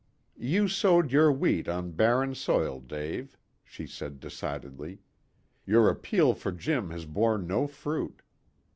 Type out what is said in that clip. "You sowed your wheat on barren soil, Dave," she said decidedly. "Your appeal for Jim has borne no fruit."